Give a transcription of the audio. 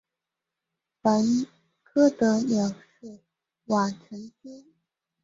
本科的鸟是晚成雏。